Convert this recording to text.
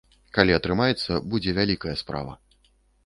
Калі атрымаецца, будзе вялікая справа.